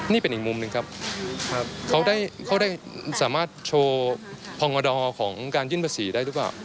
นี่เป็นอีกมุมหนึ่งครับเขาได้สามารถโชว์พรมดของการยื่นภาษีได้หรือเปล่า